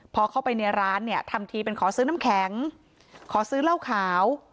พอเข้าไปในร้านเนี่ยทำทีเป็นขอซื้อน้ำแข็งขอซื้อเหล้าขาว